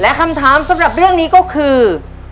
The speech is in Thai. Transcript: และคำถามสำหรับเรื่องนี้ก็คือ